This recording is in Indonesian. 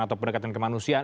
atau pendekatan kemanusiaan